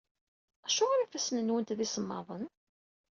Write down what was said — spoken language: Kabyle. Acuɣer ifassen-nwent d isemmaḍen?